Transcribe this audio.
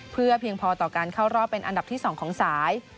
เพื่อเพียงพอต่อการเข้ารอบเป็นอันดับที่๒ของสาย